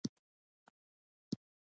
په بهير کې د ښوونکي نقش مهم وي.